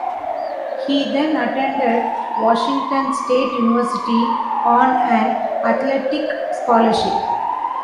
He then attended Washington State University on an athletic scholarship.